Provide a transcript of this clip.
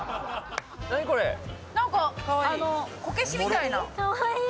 こけしみたいな。